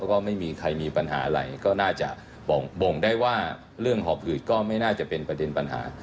ก็ไม่มีใครมีปัญหาอะไรก็น่าจะบ่งได้ว่าเรื่องหอบหืดก็ไม่น่าจะเป็นประเด็นปัญหา